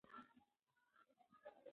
که پښتو وي، نو ښکلا به هېر نه سي.